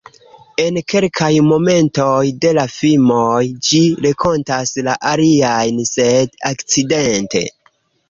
En kelkaj momentoj de la filmoj ĝi renkontas la aliajn sed "akcidente".